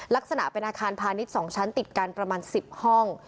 ลักษณะเป็นอาคารพาณิชย์๒ชั้นติดกันประมาณ๑๐ห้อง